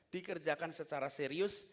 dikerjakan secara serius